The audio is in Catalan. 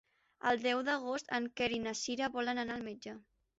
El deu d'agost en Quer i na Cira volen anar al metge.